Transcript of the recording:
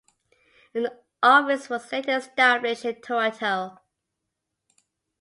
An office was later established in Toronto.